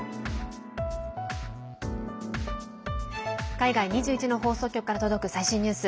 海外２１の放送局から届く最新ニュース。